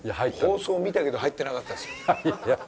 放送見たけど入ってなかったですよ。